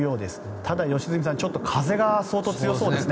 ただ、良純さん風が相当、強そうですね。